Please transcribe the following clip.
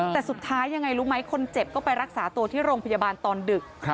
แต่สุดท้ายยังไงรู้ไหมคนเจ็บก็ไปรักษาตัวที่โรงพยาบาลตอนดึก